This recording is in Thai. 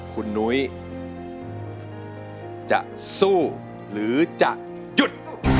คุณนุ้ยจะสู้หรือจะหยุด